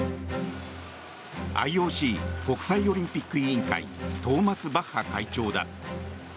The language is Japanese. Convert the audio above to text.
ＩＯＣ・国際オリンピック委員会トーマス・バッハ会長だ。